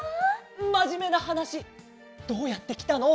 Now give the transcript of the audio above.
まじめなはなしどうやってきたの？